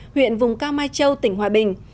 huyện vùng cao mai châu tỉnh hòa bình